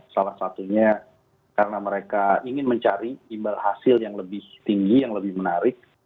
salah satunya karena mereka ingin mencari imbal hasil yang lebih tinggi yang lebih menarik